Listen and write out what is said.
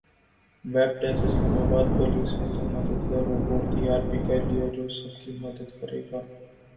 web desk Islamabad police نے تو مددگار روبوٹ تیار بھی کرلیا جو سب کی مدد کرے گا